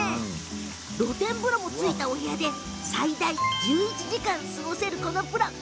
露天風呂もついたお部屋で最大１１時間過ごせるこのプラン。